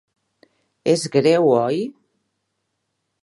És greu, oi?